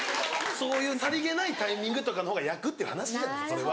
そういうさりげないタイミングとかの方が焼くっていう話じゃないですかそれは。